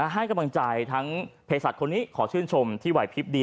ให้กำลังใจทั้งเพศสัตว์คนนี้ขอชื่นชมที่ไหวพลิบดี